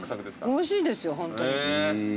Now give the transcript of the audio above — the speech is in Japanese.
おいしいですよホントに。